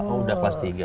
oh udah kelas tiga